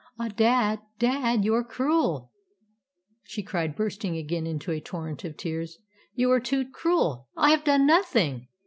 "Ah, dad, dad, you are cruel!" she cried, bursting again into a torrent of tears. "You are too cruel! I have done nothing!"